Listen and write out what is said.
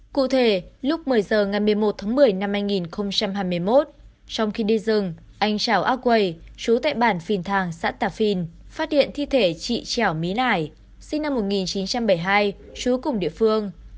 cụ thể lúc một mươi h ngày một mươi một tháng một mươi năm hai nghìn hai mươi một trong khi đi rừng anh trảo ác quầy chú tại bàn phìn thang xã tạp phìn phát hiện thi thể trị trẻo mí nải sinh năm một nghìn chín trăm bảy mươi hai chú cùng địa phương